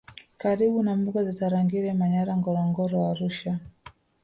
karibu na mbuga za Tarangire Manyara Ngorongoro Arusha